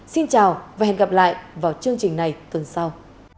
xin chào và hẹn gặp lại vào chương trình này tuần sau